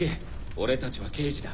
俺たちは刑事だ！